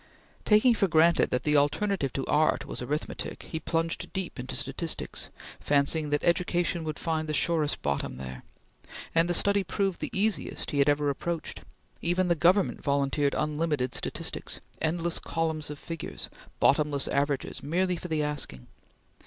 Taking for granted that the alternative to art was arithmetic, he plunged deep into statistics, fancying that education would find the surest bottom there; and the study proved the easiest he had ever approached. Even the Government volunteered unlimited statistics, endless columns of figures, bottomless averages merely for the asking.